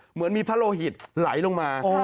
เหมือนมีพระโลหิตไหลลงมา